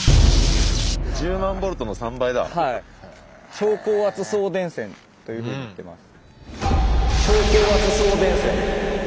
超高圧送電線というふうに言ってます。